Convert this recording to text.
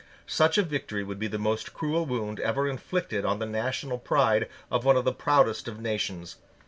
Such a victory would be the most cruel wound ever inflicted on the national pride of one of the proudest of nations.